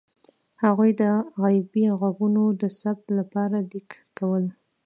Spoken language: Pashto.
هغوی د غیبي غږونو د ثبت لپاره لیکل کول.